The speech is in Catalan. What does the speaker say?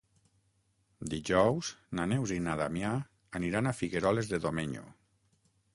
Dijous na Neus i na Damià aniran a Figueroles de Domenyo.